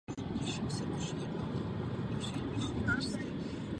To se mu nepodaří.